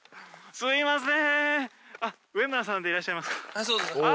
すみません。